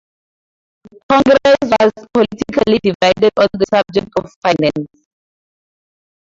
Congress was politically divided on the subject of finance.